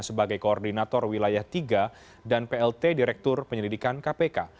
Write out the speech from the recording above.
sebagai koordinator wilayah tiga dan plt direktur penyelidikan kpk